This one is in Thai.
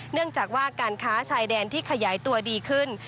เนื่องจากว่าการค้าชายแดนที่ขยายตัวดีขึ้น